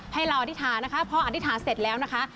ให้เราอธิษฐานนะคะพออธิษฐานเสร็จแล้วนะคะ